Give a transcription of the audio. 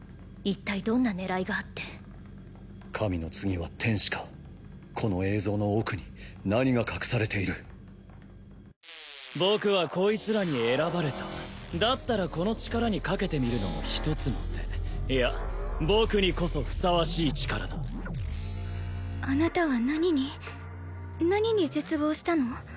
一体どんな狙いがあって神の次は天使かこの映像の奥に何が隠されている僕はこいつらに選ばれただったらこの力に賭けてみるのも一つの手いや僕にこそふさわしい力だあなたは何に何に絶望したの？